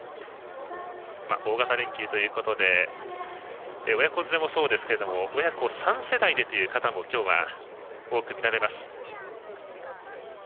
大型連休ということで親子連れもそうですが親子３世代でという方も今日は多く見られます。